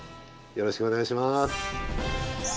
よろしくお願いします！